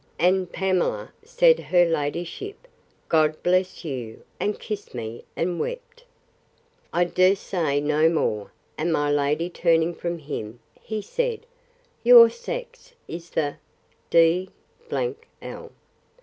And Pamela, said her ladyship, God bless you! and kissed me, and wept. I durst say no more: And my lady turning from him, he said, Your sex is the d—l!